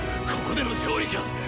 ここでの勝利か？